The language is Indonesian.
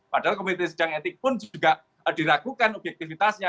padahal komite sidang etik pun juga diragukan objektifitasnya